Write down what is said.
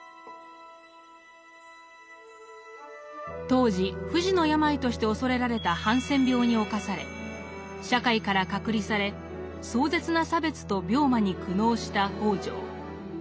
当時不治の病として恐れられたハンセン病に冒され社会から隔離され壮絶な差別と病魔に苦悩した北條。